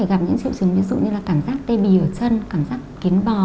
thì gặp những triệu chứng ví dụ như là cảm giác tê bì ở chân cảm giác kiến bò